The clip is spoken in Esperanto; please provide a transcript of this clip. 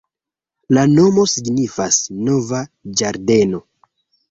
La nomo signifas nova ĝardeno.